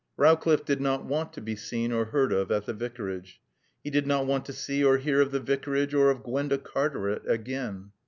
Rowcliffe did not want to be seen or heard of at the Vicarage. He did not want to see or hear of the Vicarage or of Gwenda Cartaret again.